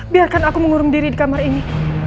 biarkan aku mengurung diri di kamar ini